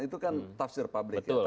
itu kan tafsir publik